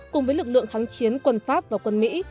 cùng với lực lượng kháng chiến quân pháp và quân mỹ